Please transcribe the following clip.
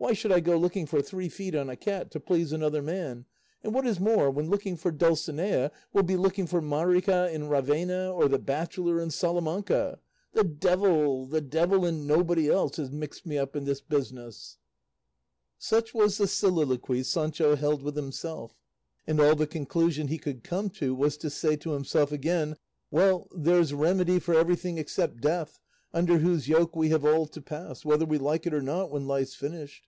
Why should I go looking for three feet on a cat, to please another man; and what is more, when looking for Dulcinea will be looking for Marica in Ravena, or the bachelor in Salamanca? The devil, the devil and nobody else, has mixed me up in this business!" Such was the soliloquy Sancho held with himself, and all the conclusion he could come to was to say to himself again, "Well, there's remedy for everything except death, under whose yoke we have all to pass, whether we like it or not, when life's finished.